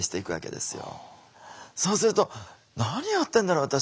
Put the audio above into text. そうすると「何やってんだろ私。